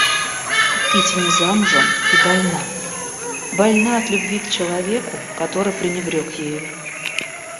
Кити не замужем и больна, больна от любви к человеку, который пренебрег ею.